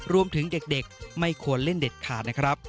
รวมถึงเด็กไม่ควรเล่นเด็ดขาดนะครับ